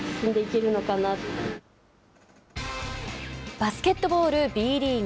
バスケットボールＢリーグ。